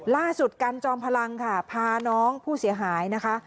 ล่าสุดการจอมพลังพาน้องผู้เสียหายนะคะ